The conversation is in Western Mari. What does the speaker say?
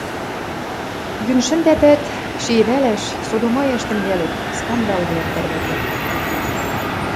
Йӱн шӹндӓтӓт, шиэдӓлӓш, содомаяш тӹнгӓлӹт, скандалвлӓм тӓрвӓтӓт.